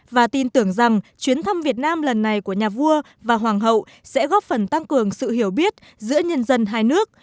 và tin tưởng rằng chuyến thăm việt nam lần này của nhà vua và hoàng hậu sẽ góp phần tăng cường sự hiểu biết giữa nhân dân hai nước